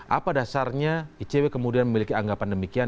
apa dasarnya icw kemudian memiliki anggapan demikian